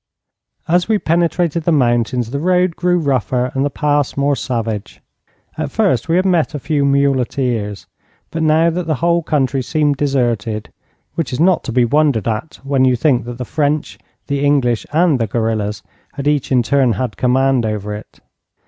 As we penetrated the mountains the road grew rougher and the pass more savage. At first we had met a few muleteers, but now the whole country seemed deserted, which is not to be wondered at when you think that the French, the English, and the guerillas had each in turn had command over it.